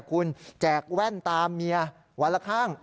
คุณแจกแว่นตามเมียวันละข้าง